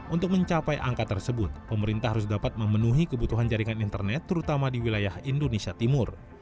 untuk mencapai angka tersebut pemerintah harus dapat memenuhi kebutuhan jaringan internet terutama di wilayah indonesia timur